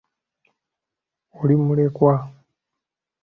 Oli mulekwa?